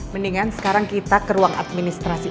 mendingan sekarang kita ke ruang administrasi